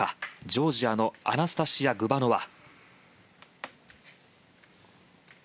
ジョージアのアナスタシヤ・グバノワ。